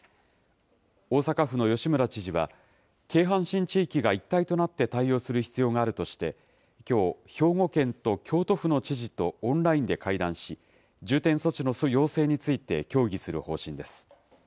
大阪府の吉村知事は、京阪神地域が一体となって対応する必要があるとして、きょう、兵庫県と京都府の知事とオンラインで会談し、重点措置の要請について協議する方針です。